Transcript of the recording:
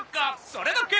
それだけ！